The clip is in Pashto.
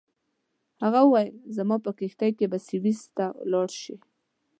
هغه وویل زما په کښتۍ کې به سویس ته لاړ شې.